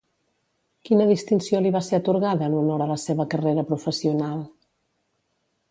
Quina distinció li va ser atorgada en honor a la seva carrera professional?